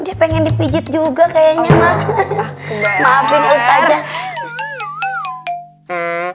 dia pengen dipijit juga kayaknya maafin ustazah